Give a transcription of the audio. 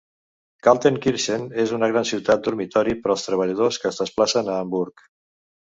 Kaltenkirchen és una gran ciutat dormitori per als treballadors que es desplacen a Hamburg.